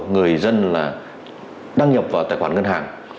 người dân là đăng nhập vào tài khoản ngân hàng